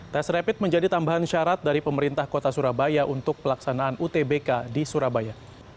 tes rapid menjadi tambahan syarat dari pemerintah kota surabaya untuk pelaksanaan utbk di surabaya